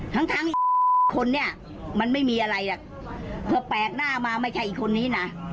ทั้งทั้งคนเนี่ยมันไม่มีอะไรหรอกเพื่อแปลกหน้ามาไม่ใช่อีกคนนี้นะ